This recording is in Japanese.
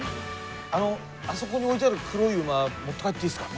あのあそこに置いてある黒い馬持って帰っていいっすか？